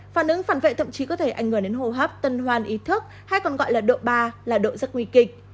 phản ứng phản vệ thậm chí có thể ảnh hưởng đến hô hấp tân hoan ý thức hay còn gọi là độ ba là độ rất nguy kịch